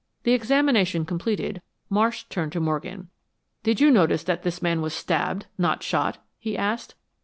The examination completed, Marsh turned to Morgan. "Do you notice that this man was stabbed, not shot?" he asked.